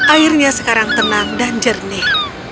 airnya sekarang tenang dan jernih